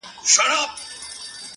ښه دى چي نه دى د قومونو پاچا.!